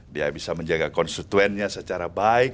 dia bisa menjaga konstituennya secara baik